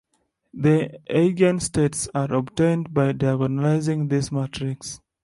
The eigenstates are obtained by diagonalizing this matrix.